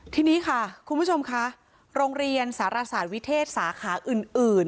ทีนี้ค่ะคุณผู้ชมค่ะโรงเรียนสารศาสตร์วิเทศสาขาอื่น